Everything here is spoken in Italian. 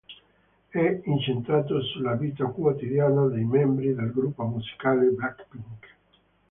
È incentrato sulla vita quotidiana dei membri del gruppo musicale Blackpink.